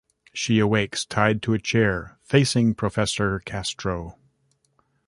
She awakes tied to a chair, facing Professor Castro.